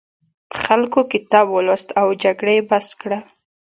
خلکو کتاب ولوست او جګړه یې بس کړه.